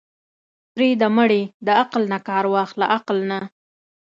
پرېده مړې د عقل نه کار واخله عقل نه.